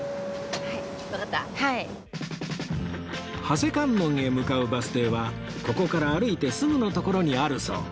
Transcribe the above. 長谷観音へ向かうバス停はここから歩いてすぐの所にあるそう